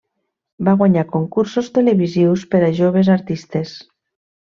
Va guanyar concursos televisius per a joves artistes.